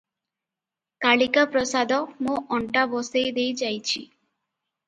କାଳିକାପ୍ରସାଦ ମୋ ଅଣ୍ଟା ବସେଇ ଦେଇ ଯାଇଛି ।